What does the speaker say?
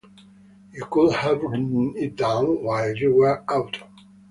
You could have written it down while you were out.